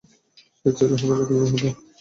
সে ছেলে হবে নাকি মেয়ে হবে।